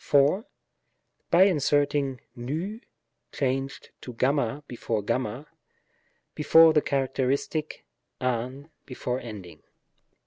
By inserting v (changed to y before y), before the characteristic, av before ending : §94.